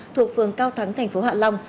thuộc phường cao thắng tp hạ long